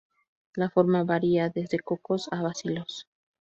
La forma varía desde cocos a bacilos.